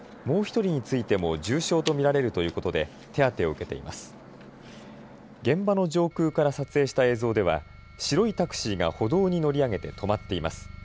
現場の上空から撮影した映像では白いタクシーが歩道に乗り上げて止まっています。